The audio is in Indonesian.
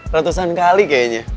ratusan kali kayaknya